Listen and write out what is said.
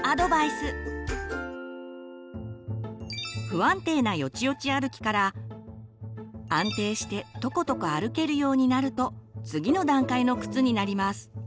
不安定なよちよち歩きから安定してとことこ歩けるようになると次の段階の靴になります。